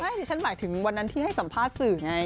ดิฉันหมายถึงวันนั้นที่ให้สัมภาษณ์สื่อไง